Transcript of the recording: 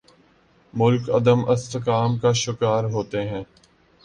ملک عدم استحکام کا شکار ہوتے ہیں۔